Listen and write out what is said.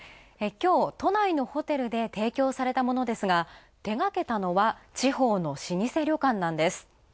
きょう、都内のホテルで提供されたものですが手がけたのは地方の老舗旅館なんです。